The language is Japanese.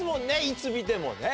いつ見てもね。